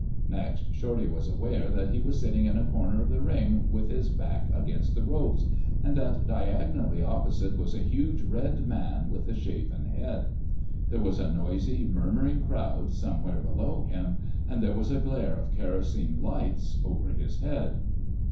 Next, Shorty was aware that he was sitting in a corner of the ring with his back against the ropes, and that diagonally opposite was a huge red man with a shaven head. There was a noisy, murmuring crowd somewhere below him, and there was a glare of kerosene lights over his head.